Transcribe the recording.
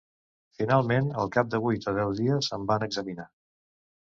Finalment, al cap de vuit o deu dies em van examinar